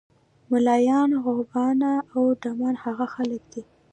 ملایان، غوبانه او ډمان هغه خلک دي.